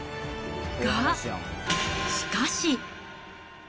が、しかし。